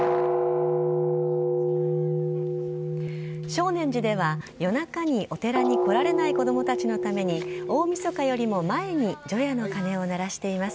称念寺では夜中にお寺に来られない子どもたちのために、大みそかよりも前に除夜の鐘を鳴らしています。